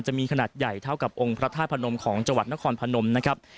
จะมีขนาดใหญ่เท่ากับองค์พระธาตุพนมของจังหวัดนครพนมนะครับ